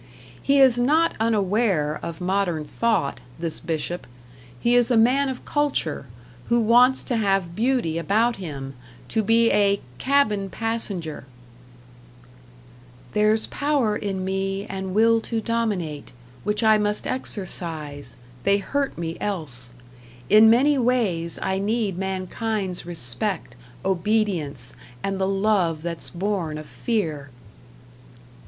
He is not unaware of modern thought, this bishop; he is a man of culture, who wants to have beauty about him, to be a "cabin passenger": There's power in me and will to dominate Which I must exercise, they hurt me else; In many ways I need mankind's respect, Obedience, and the love that's born of fear.